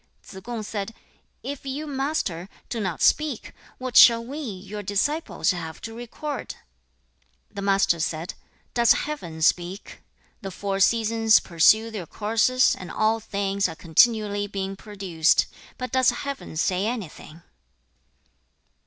2. Tsze kung said, 'If you, Master, do not speak, what shall we, your disciples, have to record?' 3. The Master said, 'Does Heaven speak? The four seasons pursue their courses, and all things are continually being produced, but does Heaven say anything?'